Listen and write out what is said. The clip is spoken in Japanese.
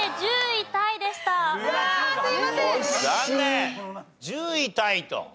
１０位タイと。